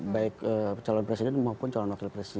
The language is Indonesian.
baik calon presiden maupun calon wakil presiden